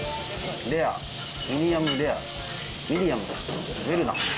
レア、ミディアムレア、ミディアム、ウェルダン。